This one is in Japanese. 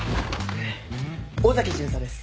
尾崎巡査です。